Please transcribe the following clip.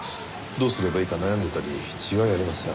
どうすればいいか悩んでいたに違いありません。